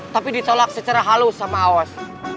tapi ditolak secara halus sama awas